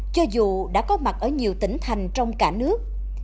cho dù đã có mặt ở nhiều tỉnh thành trong cả nước